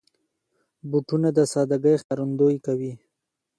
بوټونه د سادګۍ ښکارندويي کوي.